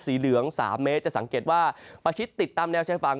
เหลือง๓เมตรจะสังเกตว่าประชิดติดตามแนวชายฝั่ง